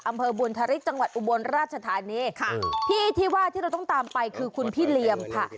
อำเภอบุญธริกจังหวัดอุบลราชธานีค่ะพี่ที่ว่าที่เราต้องตามไปคือคุณพี่เหลี่ยมค่ะ